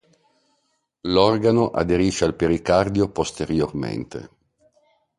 L'organo aderisce al pericardio posteriormente.